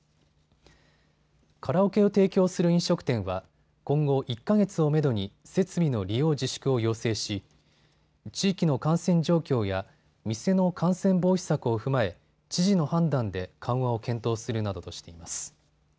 カラオケを提供する飲食店は今後１か月をめどに設備の利用自粛を要請し、地域の感染状況や店の感染防止策を踏まえ知事の判断で緩和を検討するなどとしています。